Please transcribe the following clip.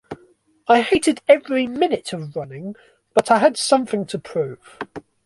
I hated every minute of running, but I had something to prove.